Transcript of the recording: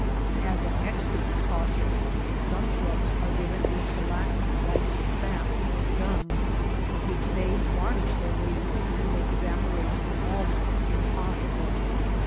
CACTUS AND GREASEWOOD 135 As an extra precaution some shrubs are given a shellac like sap or gum with which they var nish their leaves and make evaporation almost impossible.